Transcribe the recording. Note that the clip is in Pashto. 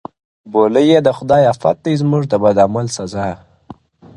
بولي یې د خدای آفت زموږ د بد عمل سزا-